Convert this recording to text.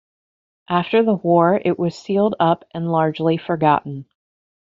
After the war, it was sealed up and largely forgotten.